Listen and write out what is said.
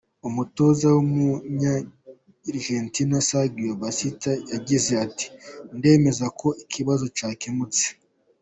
Umutoza w’umunyargentina Sergio Batista yagize ati “ndemeza ko ikibazo cyakemutse”.